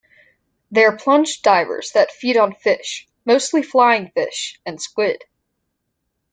They are plunge-divers that feed on fish, mostly flying fish, and squid.